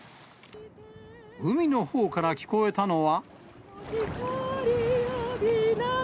海のほうから聞こえたのは。